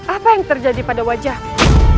apa yang terjadi pada wajahmu